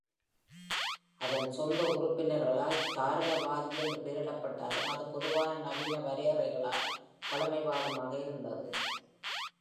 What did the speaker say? அதன் சொந்த உறுப்பினர்களால் "தாராளவாதி" என்று பெயரிடப்பட்டாலும், அது பொதுவாக நவீன வரையறைகளால் பழமைவாதமாக இருந்தது.